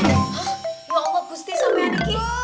ya allah busti sampean lagi